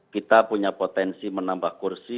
kita punya potensi menambah kursi